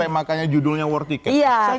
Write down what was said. makanya judulnya war ticket